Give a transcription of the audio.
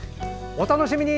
お楽しみに！